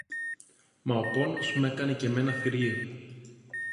Μα ο πόνος μ' έκανε και μένα θηρίο